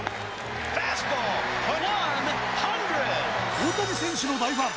大谷選手の大ファン